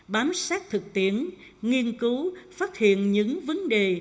bám sát thực tiễn nghiên cứu phát hiện những vấn đề